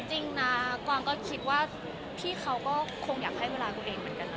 จริงนะกวางก็คิดว่าพี่เขาก็คงอยากให้เวลาตัวเองเหมือนกันนะ